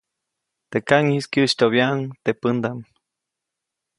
Teʼ kaʼŋis kyäʼsytyoʼbyabäʼuŋ teʼ pädaʼm.